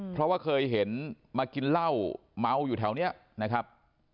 เพราะว่าเคยเห็นมากินเหล้าเมาอยู่แถวนี้นะครับ